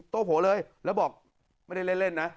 โผล่เลยแล้วบอกไม่ได้เล่นนะ